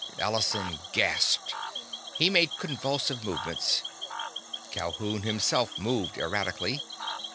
Allison gasped. He made convulsive movements. Calhoun himself moved erratically.